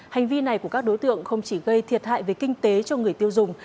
hành vi này của các đối tượng không chỉ gây thiệt hại về kinh tế cho người tiêu dùng